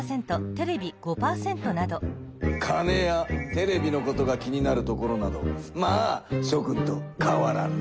フッ金やテレビのことが気になるところなどまあしょ君とかわらんな。